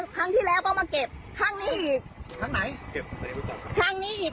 ครั้งที่แล้วเขามาเก็บข้างนี้อีกข้างไหนเก็บข้างนี้อีก